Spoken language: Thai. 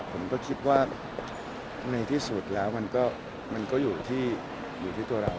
ผมก็คิดว่าในที่สุดแล้วมันก็อยู่ที่ตัวเราครับอยู่ที่ใจเราด้วย